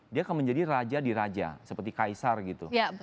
dia akan menjadi raja di raja seperti kaisar gitu